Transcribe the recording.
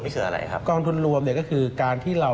พี่ทศกองทุนรวมนี่คืออะไรครับ